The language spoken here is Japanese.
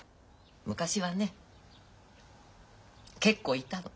昔はね結構いたの。